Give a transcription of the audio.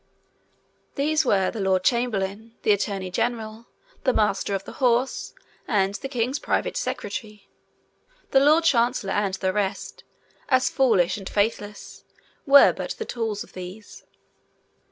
These were the lord chamberlain, the attorney general, the master of the horse, and the king's private secretary: the lord chancellor and the rest, as foolish as faithless, were but the tools of these.